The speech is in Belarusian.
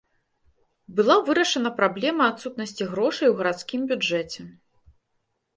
Была вырашана праблема адсутнасці грошай у гарадскім бюджэце.